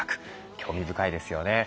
興味深いですよね。